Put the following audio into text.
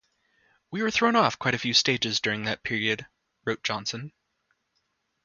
"We were thrown off quite a few stages during that period", wrote Johnson.